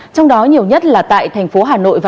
trong đó nhiều nhất là tại tp hcm